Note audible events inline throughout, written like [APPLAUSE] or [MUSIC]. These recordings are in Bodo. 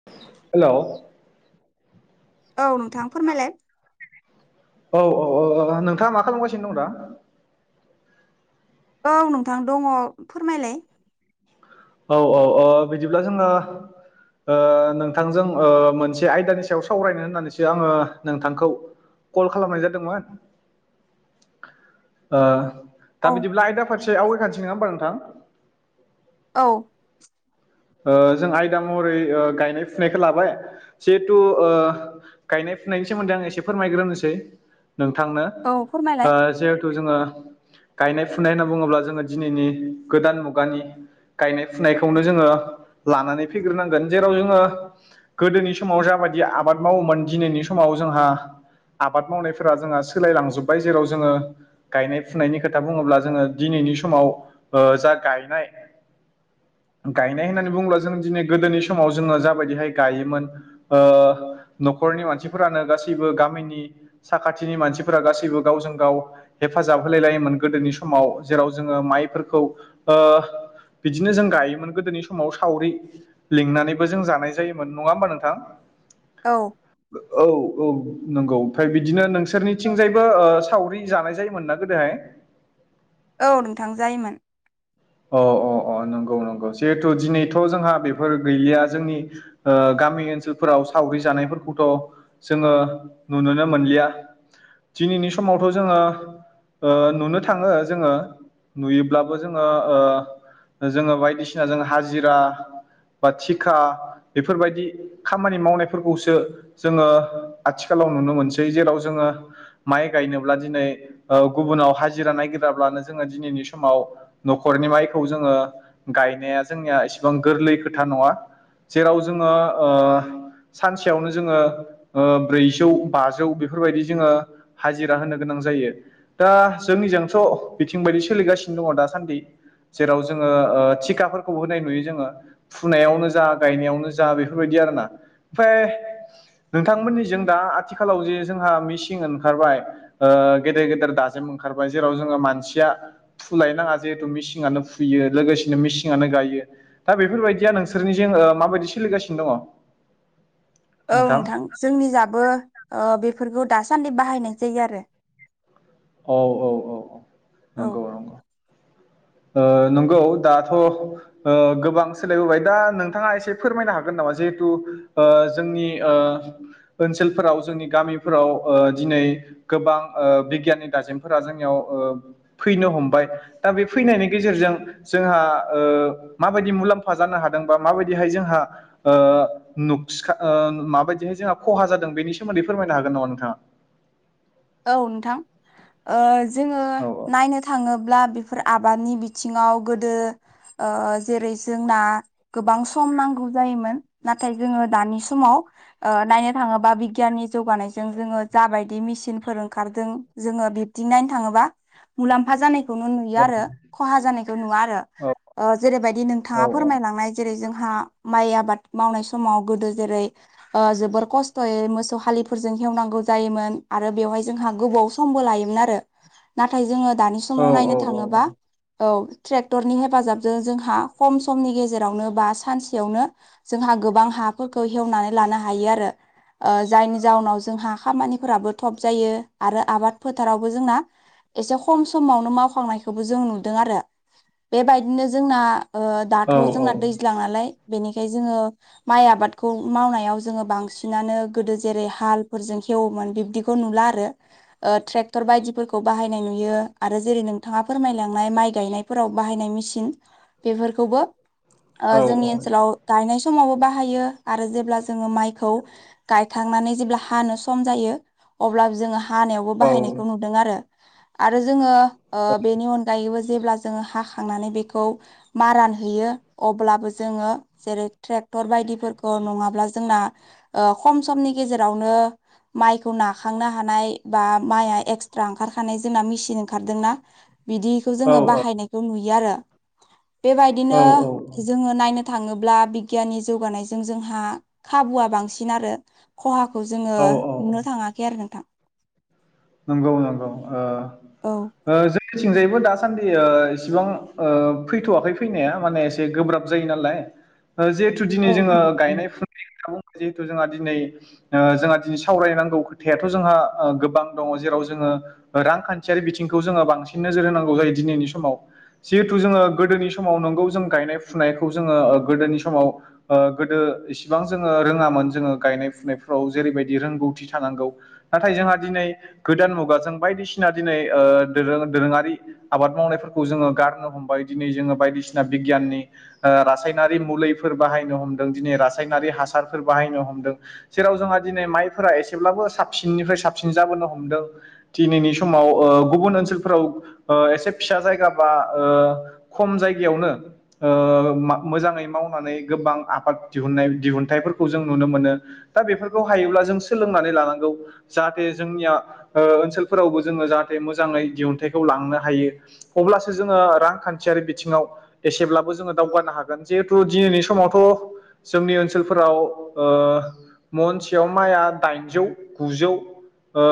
[INAUDIBLE] हेल औ नोंथां फोरमायलाय औ औ औ नोंथाङा मा खालामगासिनो दं दा? औ नोंथां दङ फोरमायलाय। औ औ ओ बिदिब्ला जोङो नोंथांजों मोनसे आयदानि सायाव सावरायनो होननानैसो आङो नोंथांखौ कल खालामनाय जादोंमोन दा औ बिदिब्ला आयदा फारसे आवगायखानोसै नङा होमबा नोंथां औ जों आयदा महरै गायनाय फुनायखौ लाबाय जिहेथु ओ गायनाय फुनायनि सोमोन्दै आं एसे फोरमायग्रोनोसै नोंथांनो। औ फोरमायलाय ओ जिहेथु जोङो गायनाय फुनाय होनना बुङोब्ला जोङो दिनैनि गोदान मुगानि गायनाय फुनायखौनो जोङो लानानै फैग्रोनांगोन जेराव जोङो गोदोनि समाव जाबायदि आबाद मावोमोन दिनैनि समाव जोंहा आबाद मावनायफोरा जोंहा सोलायलांजोबबाय जेराव जोङो गायनाय फुनायनि खोथा बुङोब्ला जोङो दिनैनि समाव जा गायनाय गायनाय होननानै बुङोब जों दिनै गोदोनि समाव जोङो जाबायदिहाय गायोमोन ओ न'खरनि मानसिफोरानो गासैबो गामिनि साखाथिनि मानसिफोरा गासैबो गावजों गाव हेफाजाब होलाय लायोमोन गोदोनि समाव जेराव जोङो माइफोरखौ ओ बिदिनो जों गायोमोन गोदोनि समाव सावरि लिंनानैबो जों जानाय जायोमोन नङा होमबा नोंथां। औ औ औ नंगौ ओमफ्राय बिदिनो नोंसोरनिथिंजायबो ओ सावरि जानाय जायोमोन ना। [UNINTELLIGIBLE] औ नोंथां जायोमोन। अ अ अ नंगौ नंगौ जिहेथु दिनैथ' जोंहा बेफोर गैलिया जोंनि गामि ओनसोलफोराव सावरि जानायफोरखौथ' जोङो नुुनोनो मोनलिया। दिनैनि समावथ' जोङो नुनो ओ थाङो जोङो नुयोब्लाबो जोङो ओ ओ जोङो बायदिसिना जो हाजिरा बा थिखा बेफोरबादि खामानि मावनायफोरखौसो जोङो आथिखालाव नुनो मोनसै जेराव जोङो माइ गायनोब्ला दिनै गुबुनाव हाजिरा नागिराब्लानो जोङो दिनैनि समाव न'खरनि माइखौ जोङो गायनाया जोंनिया एसेबां गोरलै खोथा नङा। जेराव जोङो ओ सानसेयावनो जोङो ब्रैजौ बाजौ बेफोरबादि जोङो ओ हाजिरा होनो गोनां जायो दा जोंनिजोंथ' बिथिं बायदि सोलिगासिनो दङ दा सान्दि जेराव जोङो ओ तिखाफोरखौ होनाय नुयो जोङो। फुनायावनो जा गायनायावनो जा बेफोरबादि आरो ना ओमफ्राय नोंथांमोननिजों दा आथिखालाव जे जोंहा मिसिं ओंखारबाय। गेदेर गेदेर दाजेम ओंखारबाय जेराव जोङो मानसिया फुलायनाङा। जिहेतु मेसिननो फुयो लोगोसेनो मेसिननानो गायो। दा बेफोरबादिया नोंसोरनि ओ माबायदि सोलिगासिनो दङ? औ नोंथां जोंनि जाबो बेफोरखौ दासान्दि बाहायनाय जायो आरो। औ औ औ औ औ नंगौ नंगौ। नंगौ दाथ' ओ गोबां सोलायबोबाय दा नोंथाङा एसे फोरमायनो हागोन नामा जिहेथु ओ जोंनि ओ ओनसोलफोराव जोंनि गामिफोराव ओ दिनै गोबां ओ बिगियाननि दाजेमफोरा जोंनियाव फैनो हमबाय दा बे फैनायनि गेजेरजों जोंहा ओ माबादि मुलाम्फा ओ जानो हादों बा माबायदिहाय जोंहा ओ नुसिखा ओ माबायदिहाय जोंहा खहा जादों बेनि सोमोन्दै फोरमायनो हागोन नामा नोंथाङा? औ नोंथां जोङो औ औ नायनो ओ थाङोब्ला बेफोर आबादनि बिथिङाव गोदो ओ जेरै जोंना गोबां सम नांगौ जायोमोन नाथाय जोङो दानि समाव ओ नायनो थाङोबा बिगियाननि जौगानायजों जोङो जाबायदि मेसिन सोर ओंखारदों जोङो बिदि नायनो थाङोबा मुलाम्फा जानाय खौनो नुयो आरो खहा जानायखौ नुवा आरो ओ जेरैबायदि औ नोंथाङा फोरमायलांनाय जेरै जोंहा माइ आबाद मावनाय समाव गोदो जेरै जोबोर खस्थ'यै मोसौ हालिफोरजों खेवनांगौ जायोमोन आरो बेवहाय जोंहा गोबाव समबो लायोमोन आरो नाथाय जोङो दानि औ समाव औ नायनो थाङोबा औ ट्रेक्टरनि हेफाजाबजों जोंहा खम समनि गेजेरावनो बा सानसेयावनो जोंहा गोबां हाफोरखौ हेवनानै लानो हायो आरो ओ जायनि जाउनाव जोंहा खामानिफोराबो थब जायो आरो आबाद फोथारावबो जोंना एसे खम समावनो मावखांनायखौबो जों नुदों आरो बे बादिनो जोंना औ दाथ' जोंना दैज्लाां नालाय बेनिखाय जोङो माइ आबादखौ मावनायाव जोङो बांसिनानो गोदो जेरै हालफोरजों हेवोमोन बिदि खौ नुला आरो। ट्रेक्टर बायदिफोरखौ बाहायनाय नुयो आरो जेरै नोंथाङा फोरमायलांनाय माइ गायनाय फोराव बाहायनाय मेसिन बेफोरखौबो औ जोंनि ओ औ औ ओनसोलाव गायनाय समावबो बाहायो आरो जेब्ला जोङो माइखौ। गायखांनानै जेब्ला हानो सम जायो। अब्लाबो जोङो हानायावबो औ बाहायनायखौ नुदों आरो आरो जोङो ओ बेनि अनगायैबो जेब्ला जोङो हाखांनानै बेखौ मारानहैयो अब्लाबो जोङो जेरै ट्रेक्टर बायदिफोरखौ नङाब्ला जोंना ओ खम समनि गेजेरावनो माइखौ ना खांनो हानाय बा माइआ एक्सट्रा ओंखारखानाय जोंना मेचिन ओंखारदोंना बिदिखौ औ जोङो बाहायनायखौ नुयो आरो औ बेबायदिनो जोङो नायनो थाङोब्ला बिगियाननि जौगानायजों जोंहा खाबुआ बांसिन आरो खहाखौ जोङो औ औ नुनो थाङाखै आरो नोंथां नंगौ नंगौ ओ औ ओ जोंनिथिंजायबो दासान्दि ओ इसिबां ओ फैथ'वाखै फैनाया माने गोब्राब जायो नालाय जिहेतु औ जोङो गायनाय फु बेनि खोथा [UNINTELLIGIBLE] बुङो जिहेथु जोंहा दिनै जोंहा दिनै सावरायनांगौ खोथायाथ' जोंहा गोबां दङ जेराव जोङो रांखान्थियारि बिथिंखौ जोङो बांसिन नोजोर होनांगौ जायो दिनैनि समाव जिहेथु जोङो गोदोनि समाव नंगौ जों गायनाय फुनायखौ जोङो गोदोनि समाव ओ गोदो इसिबां जोङो रोङामोन जोङो गायनाय फुनायफ्राव जेरैबायदि रोंगौथि थानांगौ नाथाय जोंहा दिनै गोदान मुगाजों बायदिसिना दिनै ओ दोरों दोरोङारि आबाद मावनायफोरखौ जोङो गारनो हमबाय दिनै जोङो बायदिसिना बिगियाननि ओ रासायनारि मुलिफोर बाहायनो हमदों दिनै रासायनारि हासारफोर बाहायनो हमदों जेराव जोंहा दिनै माइफोरा एसेब्लाबो साबसिननिफ्राय साबसिन जाबोनो हमदों दिनैनि समाव ओ गुबुन ओनसोलफोराव ओ एसे फिसा जायगा बा ओ खम जायगायावनो ओ मा मोजाङै मावनानै गोबां आबाद दिहुननाय दिहुनथाइफोरखौ जों नुनो मोनो। दा बेफोरखौ हायोब्ला जों सोलोंनानै लानांगौ जाहाथे जोंनिया ओ ओनसोलफोरावबो जोङो जाहाथे मोजाङै दिहुनथाइखौ लांनो हायो। अब्लासो जोङो रांखान्थियारि बिथिङाव एसेब्लाबो जोङो दावगानो हागोन जिहेथु दिनैनि समावथ' जोंनि ओनसोलफोराव ओ मनसेयाव माइआ दाइनजौ गुजौ ओ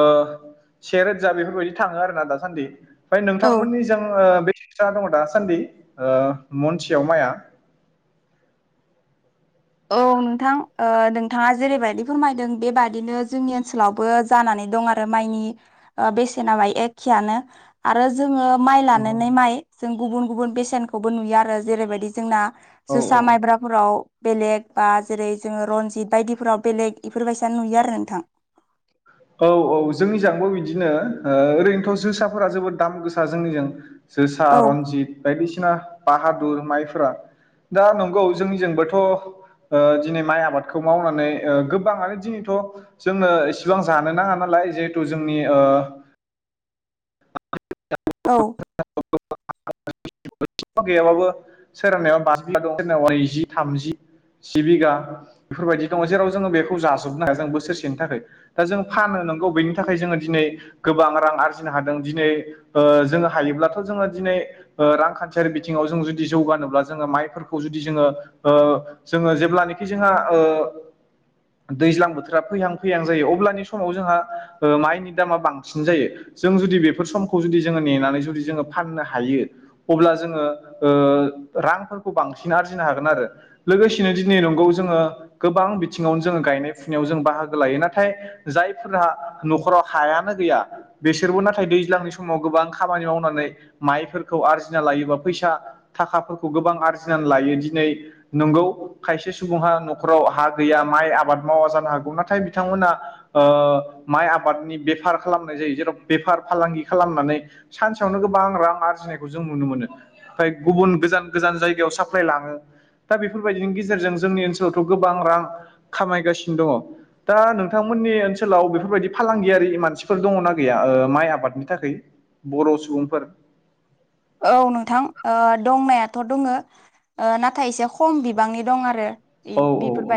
सेेरोजा बेफोरबायदि थाङो आरो ना दासान्दि ओमफ्राय नोंथांमोननिजों ओ बेसे जाना दङ दासान्दि ओ मनसेयाव माइआ औ नोंथां ओ नोंथाङा जेरैबायदि फोरमायदों बेबादिनो जोंनि ओनसोलावबो जानानै दं आरो माइनि ओ बेसेना माय एखेयानो आरो जोङो माइ लानानै माइ जों गुबुन गुबुन बेसेनखौबो नुयो आरो जेरैबायदि जोंना औ जोसा माइब्राफोराव बेलेग बा जेरै जोङो रनजित बायदिफोराव बेलेग इफोरबायसा नुयो आरो नोंथां औ औ जोंनिजोंबो बिदिनो ओ ओरैनोथ' जोसाफोरा जोबोद दाम गोसा जोंनिजों जोसा औ रनजित बायदिसिना बाहादुर माइफोरा दा नंगौ जोंनिजोंबोथ' ओ दिनै माइ आबादखौ मावनानै ओ गोबाङानो दिनैथ' जोंनो एसे बां जानो नाङा नालाय जिहेथु जोंनि ओ औ [UNINTELLIGIBLE] अखा गैयाबाबो सोरांनायाव बाजि बिघा दं सोरना नैजि थामजि जि बिघा [UNINTELLIGIBLE] बेफोरबायदि दङ जेराव जोङो बेखौ जाजोबनो हाया जों बोसोरसेनि थाखाय दा जों फानो नंगौ बेनि थाखाय जोङो दिनै गोबां रां आरजिनो हादों दिनै ओ जोङो हायोब्लाथ' जोङो दिनै ओ रांखान्थियारि बिथिङाव जों जुदि जौगानोब्ला जोङो माइफोरखौ जुदि जोङो ओ जोङो जेब्लानिखि जोङो ओ दैज्लां बोथोरा फैहां फैहां जायो अब्लानि समाव जोंहा ओ माइनि दामा बांसिन जायो। जों जुदि बेफोर समखौ जुदि जोङो नेनानै जुदि जोङो फाननो हायो अब्ला जोङो ओ रांफोरखौ बांसिन आरजिनो हागोन आरो लोगोसेनो दिनै नंगौ जोङो गोबां बिथिङावनो जोङो गायनाय फुनायाव जों बाहागो लायो नाथाय जायफोरहा नखराव हायानो गैया बिसोरबो नाथाय दैज्लांनि समाव गोबां खामानि मावनानै माइफोरखौ आरजिना लायोबा फैसा थाखाफोरखौ गोबां आरजिनानै लायो दिनै नंगौ खायसे सुबुंहा नखराव हा गैया माइ आबाद मावा जानो हागौ नाथाय बिथांमोना ओ माइ आबादनि बेफार खालामनाय जायो जेराव बेफार फालांगि खालामनानै सानसेयावनो गोबां रां आरजिनायखौ जों नुनो मोनो। ओमफ्राय गुबुन गोजान गोजान जायगायाव साप्लााय लाङो। दा बेफोरबायदिनि गेजेरजों जोंनि ओनसोलावथ' गोबां रां खामायगासिनो दङ। दा नोंथांमोननि ओनसोलाव बेफोरबायदि फालांगियारि मानसिफोर दङना गैया ओ माइ आबादनि थाखाय बर' सुबुंफोर औ नोंथां दंनायाथ' दङ नाथाय एसे खम बिबांनि दं आरो इ औ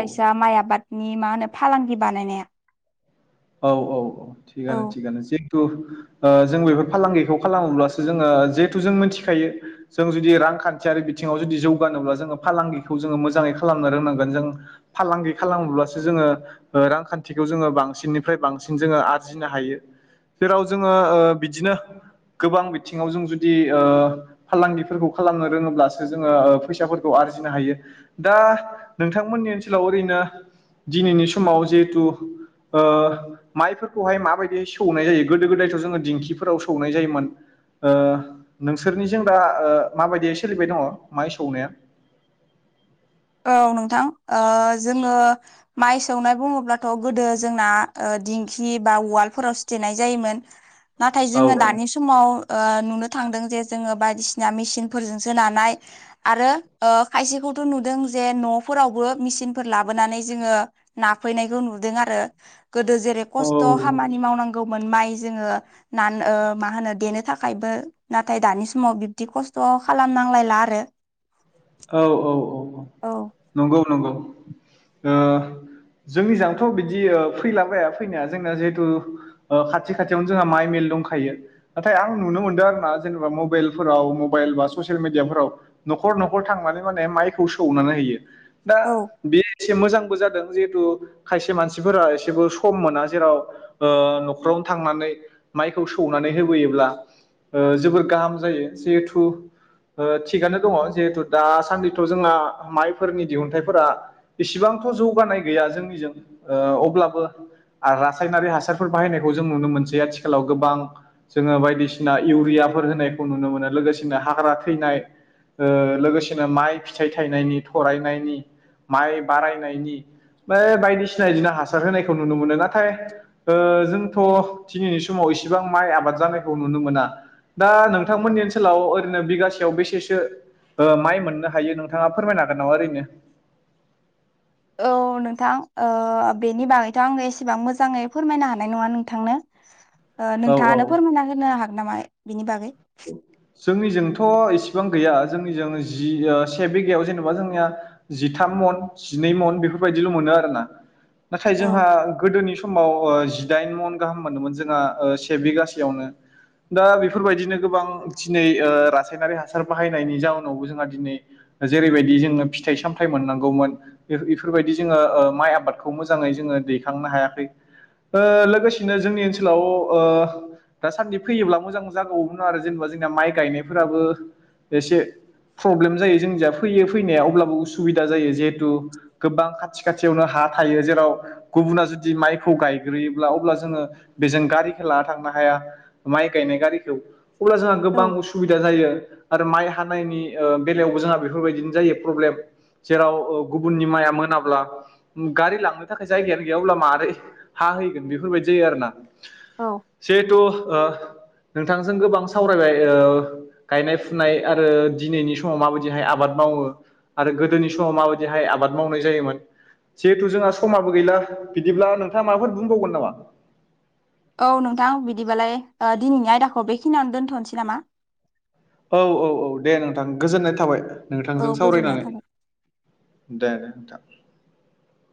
औ [UNINTELLIGIBLE] माइ आबादनि मा होनो फालांगि बानायनाया औ औ औ औ थिगानो थिगानो जे जेतु ओ जों बेफोर फालांगिखौ खालामोब्लासो जोङो जेहेतु जों मिथिखायो जों जुदि रांखान्थियारि बिथिङाव जुदि जौगानोब्ला जोङो फालांगिखौ जोङो मोजाङै खालामनो रोंनांगोन जों फालांगि खालामोब्लासो जोङो ओ रांखान्थिखौ जोङो बांसिन निफ्राय बांसिन जोंङो आरजिनो हायो जेराव जोंङो बिदिनो गोबां बिथिंङाव जों जुदि ओ फालांगिफोरखौ खालामनो रोङोब्लासो जोंङो फैसाफोरखौ आरजिनो हायो दा नोंथांमोननि ओनसोलाव ओरैनो दिनैनि समाव जिहेथु ओ माइफोरखौहाय माबायदि सौनाय जायो गोदो गोदायथ' जोङो दिंखिफोराव सौनाय जायोमोन नोंसोरनिजों दा माबायदियै सोलिबाय दङ माय सौनाया औ नोंथां जोंङो माइ सौनाय बुंङोब्लाथ' गोदो जोंना दिंखि बा उवालफोराव सो देनाय जायोमोन नाथाय औ जोंङो दानि समाव नुनो थांदों जे जोंङो बायदिसिना मेसिनफोरजों नानाय आरो खायसेखौथ' नुदों जे न'फोरावबो मेचिनफोर लाबोनानै जोंङो नाफैनायखौ नुदों आरो गोदो जेरै खस्थ' खामानि औ मावनांगौमोन माइ जोंङो नान मा होनो देनो थाखायबो नाथाय दानि समाव बिब्दि खस्थ' खालामनांलायला आरो। औ औ औ औ औ नंगौ नंगौ ओ जोंनि जोंथ' बिदि फैलाबाया फैनाया जोंना जिहेतु खाथि खाथियावनो जोंहा माइ मिल दंखायो नाथाय आं नुनो मोनदों आरो ना जेनेबा मबाइलफोराव मबाइल बा ससियेल मिडियाफोराव न'खर न'खर थांनानै मान माइखौ सौनानै होयो दा औ बे एसे मोजांबो जादों जिहेतु खायसे मानसिफोरा एसेबो सम मोना जेराव न'खरावनो थांनानै माइखौ सौनानै होबोयोब्ला जोबोर गाहाम जायो जिहेथु थिगानो दङ जिहेथु दासान्दिथ' जोंना माइफोरनि दिहुनथाइफोरा बेसिबांथ' जौगानाय गैया जोंनिजों अब्लाबो आरो रासायनारि हासारफोर बाहायनायखौ जों नुनो मोनसै आथिखालाव गोबां जोङो बायदिसिना इउरियाफोर होनायखौ नुनो मोनो लोगोसेनो हाग्रा थैनाय ओ लोगोसेनो माइ फिथाइ थायनायनि थरायनायनि माइ बारायनायनि बे बायदिसिना बिदिनो हासार होनायखौ नुनो मोनो नाथाय जोंथ' दिनैनि समाव इसिबां माइ आबाद जानायखौ नुनो मोना। दा नोंथांमोननि ओनसोलाव ओरैनो बिगासेयाव बेसेसो ओ माइ मोननो हायो नोंथांङा फोरमायनोागोन नामा ओरैनो? औ नोंथां ओ बेनि बागैथ' आंङो एसेबां मोजाङै फोरमायनो हानाय नंङा नोंथांनो। [INAUDIBLE] ओ औ नोंथाङानो फोरमायना होनो हागोन नामा बिनि बागै? जोंनिजोंथ' इसिबां गैया जोंनिजों जि ओ से बिघायाव जेनेबा जोंनिया जिथाम मन जिनै मन बेफोरबायदिल' मोनो आरोना नाथाय जोंहा औ गोदोनि समाव ओ जिदाइन मन गाहाम मोनदोंमोन जोंहा ओ से बिगासेयावनो। दा बिफोरबायदिनो गोबां दिनै ओ रासायनारि हासार बाहायनायनि जाउनावबो जोंहा दिनै जेरैबायदि जोंङो फिथाइ सामथायाइ मोननांगौमोन बे इफोरबायदि जोंङो ओ माइ आबादखौ मोजाङै जोंङो दैखांनो हायाखै। ओ लोगोसेनो जोंनि ओनसोलाव ओ दासान्दि फैयोब्ला मोजां जागावोमोन आरो जेनेबा जोंना माइ गायनायफोराबो एसे प्रब्लेम जायो जोंनिजा फैयो फैनाया अब्लाबो उसुबिदा जायो जिहेतु गोबां खाथि खाथियावनो हा थायो। जेराव गुबुना जुदि माइखौ गायग्रोयोब्ला अब्ला जोंङो बिजों गारिखौ लाना थांनो हाया। माइ गायनाय गारिखौ अब्ला जोंहा औ गोबां उस सुबिदा जायो आरो माइ हानायनि ओ बेलायावबो जोंहा बिफोरबायदिनो जायो प्रब्लेम। जेराव ओ गुबुननि माइया मोनाब्ला गारि लांनो थाखाय जायगायानो गैया अब्ला मारोरै हाहैगोन बेफोरबायदि जायो आरो ना। औ। जिहेथु ओ नोंथांजों गोबां सावरायबाय। ओ गायनाय फुनाय आरो दिनैनि समाव माबायदिहाय आबाद मावो। आरो गोदोनि समाव माबायदिहाय आबाद मावनाय जायोमोन जिहेथु जोंहा समाबो गैला बिदिब्ला नोंथाङा माबाफोर बुंबावगोन नामा? औ नोंथां बिदिबालाय ओ दिनैनि आयदाखौ बेखिनियावनो दोन्थ'नसै नामा? औ औ औ दे नोंथां गोजोननाय थाबाय औ नोंथांजों गोजोननाय सावरायनानै। थाबाय दे दे नोंथां।